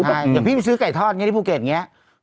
อย่างพี่ไปซื้อไก่ทอดในภูเก็ตอย่างนี้